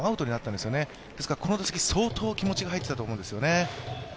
ですからこの打席、相当気持ちが入っていたと思うんですよね。